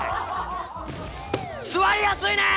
座りやすいねん！